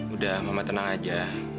udah mama tenang aja